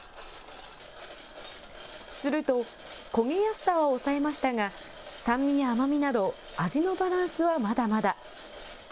すると、焦げやすさは抑えましたが、酸味や甘みなど味のバランスはまだまだ。